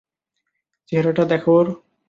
চেহারাটা দেখো ওর।